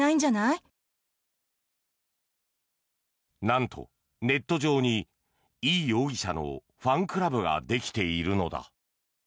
なんと、ネット上にイ容疑者のファンクラブができているのだ。